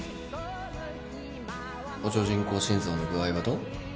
補助人工心臓の具合はどう？